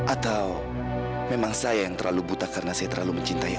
atau memang saya yang terlalu buta karena saya terlalu mencintai